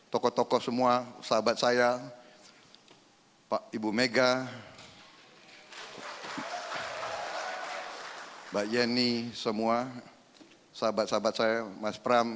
tokoh tokoh semua sahabat saya pak ibu mega mbak yeni semua sahabat sahabat saya mas pram